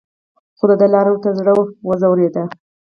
خو دده لا ورته زړه ځورېده.